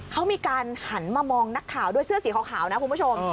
เขามีการหันมามองนักข่าวด้วยเสื้อสีขาวนะคุณผู้ชม